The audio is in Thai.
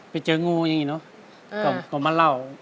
ไปเจองูอย่างนี้เนอะก็มาเล่า